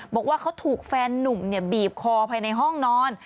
บอกว่าเขาถูกแฟนนุ่มบีบคอภายในห้องนอน